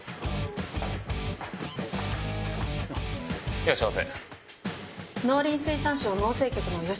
いらっしゃいませ。